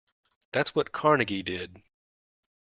That's what Carnegie did.